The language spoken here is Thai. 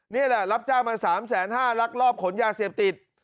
นี่แหละรับจ้างมา๓๕๐๐ลักลอบขนยาเสพติด